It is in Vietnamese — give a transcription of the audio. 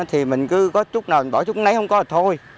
thì mình cứ có chút nào bỏ chút nấy không có à thôi